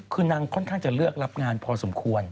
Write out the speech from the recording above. คือนางค่อนข้างจะเลือกรับงานพอสมควร